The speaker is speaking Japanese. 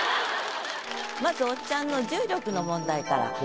まずおっちゃんの「重力」の問題から。